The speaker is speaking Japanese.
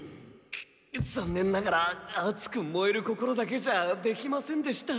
ざんねんながらあつくもえる心だけじゃできませんでした。